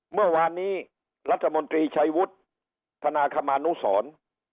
เมื่อวานนี้รัฐมนตรีชัยวุฒิธนาคมานุสร